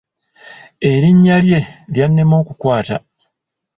Erinnya lye lyannema okukwata.